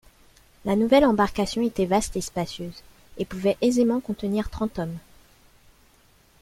La nouvelle embarcation était vaste et spacieuse, et pouvait aisément contenir trente hommes.